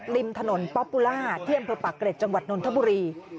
ริมถนนป๊อปปูล่าเที่ยมพระปะเกร็จจังหวัดนทบุรี